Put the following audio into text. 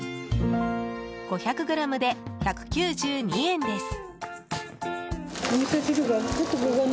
５００ｇで１９２円です。